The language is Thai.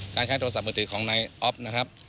การใช้โทรศัพท์มือถือของนายอ๊อฟนะครับ